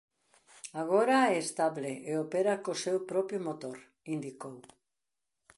"Agora é estable e opera co seu propio motor", indicou.